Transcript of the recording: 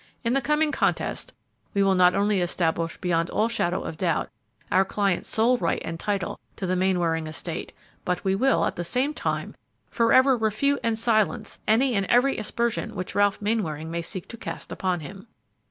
In the coming contest we will not only establish beyond all shadow of doubt our client's sole right and title to the Mainwaring estate, but we will, at the same time, forever refute and silence any and every aspersion which Ralph Mainwaring may seek to cast upon him.